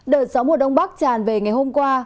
đợt gió mùa đông bắc tràn về ngày hôm qua